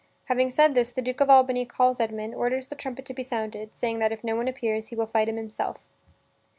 Having said this, the Duke of Albany calls Edmund, orders the trumpet to be sounded, saying that, if no one appears, he will fight him himself.